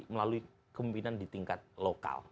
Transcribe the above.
melalui kemimpinan di tingkat lokal